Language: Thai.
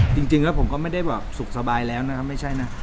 จริงแล้วผมก็ไม่ได้แบบสุขสบายแล้วนะครับไม่ใช่นะ